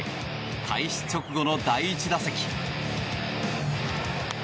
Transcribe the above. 開始直後の第１打席。